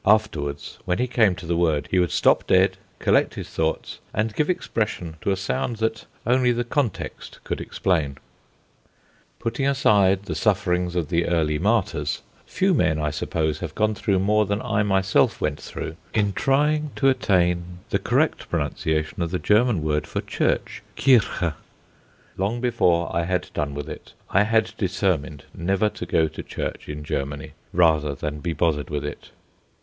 Afterwards, when he came to the word he would stop dead, collect his thoughts, and give expression to a sound that only the context could explain. Putting aside the sufferings of the early martyrs, few men, I suppose, have gone through more than I myself went through in trying to I attain the correct pronunciation of the German word for church "Kirche." Long before I had done with it I had determined never to go to church in Germany, rather than be bothered with it.